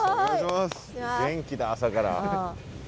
元気だ朝から。